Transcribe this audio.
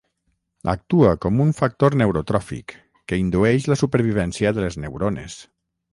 Actua com un factor neurotròfic, que indueix la supervivència de les neurones.